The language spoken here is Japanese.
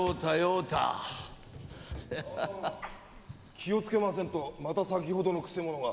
気を付けませんとまた先ほどのくせ者が。